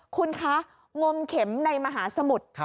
คุณคะงมเข็มในมหาสมุทร